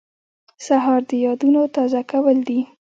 سهار د یادونو تازه کول دي.